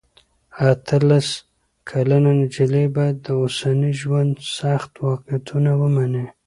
اتلس کلنه نجلۍ باید د اوسني ژوند سخت واقعیتونه ومني.